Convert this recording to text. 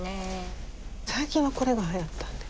最近はこれがはやったんで。